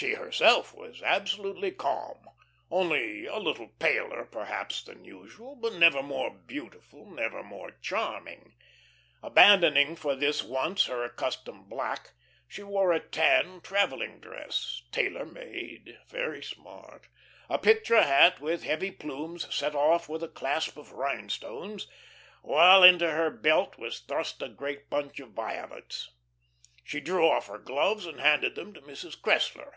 She herself was absolutely calm, only a little paler perhaps than usual; but never more beautiful, never more charming. Abandoning for this once her accustomed black, she wore a tan travelling dress, tailor made, very smart, a picture hat with heavy plumes set off with a clasp of rhinestones, while into her belt was thrust a great bunch of violets. She drew off her gloves and handed them to Mrs. Cressler.